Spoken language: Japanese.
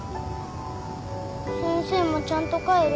先生もちゃんと帰る？